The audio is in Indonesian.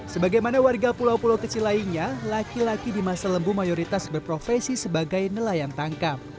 sebagaimana warga pulau pulau kecil lainnya laki laki di masa lembu mayoritas berprofesi sebagai nelayan tangkap